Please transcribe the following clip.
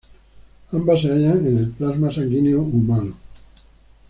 Ambas se hallan en el plasma sanguíneo humano.